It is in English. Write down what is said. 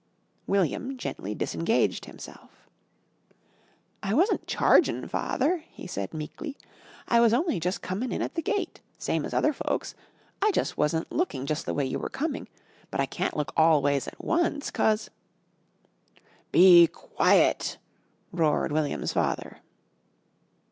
William gently disengaged himself. "I wasn't chargin', Father," he said, meekly. "I was only jus' comin' in at the gate, same as other folks. I jus' wasn't looking jus' the way you were coming, but I can't look all ways at once, cause " "Be quiet!" roared William's father.